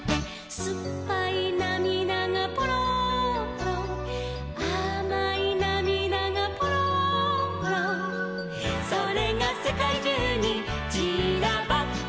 「すっぱいなみだがぽろんぽろん」「あまいなみだがぽろんぽろん」「それがせかいじゅうにちらばって」